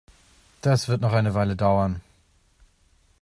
Das wird noch eine Weile dauern.